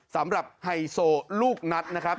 สำหรับไฮโซลูกนัดนะครับ